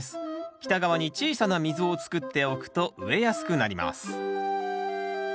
北側に小さな溝を作っておくと植えやすくなります